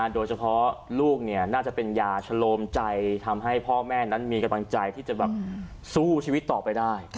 โดยเฉพาะลูกน่าจะเป็นยาชะโลมใจทำให้พ่อแม่นั้นมีกำลังใจที่จะแบบสู้ชีวิตต่อไปได้